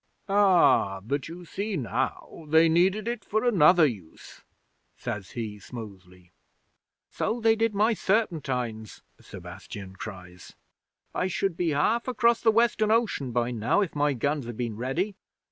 '"Ah, but ye see now they needed it for another use," says he smoothly. '"So they did my serpentines," Sebastian cries. "I should be half across the Western Ocean by now if my guns had been ready.